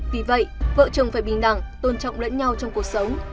vì vậy vợ chồng phải bình đẳng tôn trọng lẫn nhau trong cuộc sống